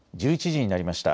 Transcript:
１１時になりました。